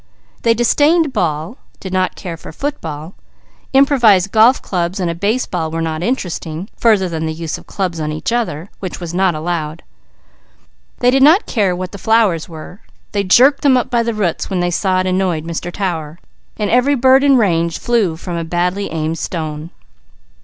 They disdained ball, did not care for football, improvised golf clubs and a baseball were not interesting, further than the use of the clubs on each other, which was not allowed. They did not care what the flowers were, they jerked them up by the roots when they saw it annoyed Mr. Tower, while every bird in range flew from a badly aimed stone.